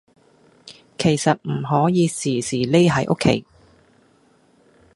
其實唔可以時時匿喺屋企